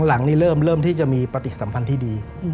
หลังนี้เริ่มที่จะมีปฏิสัมพันธ์ที่ดี